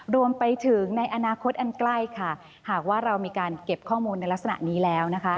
รวมไปถึงในอนาคตอันใกล้ค่ะหากว่าเรามีการเก็บข้อมูลในลักษณะนี้แล้วนะคะ